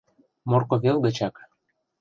Морко вел гычак.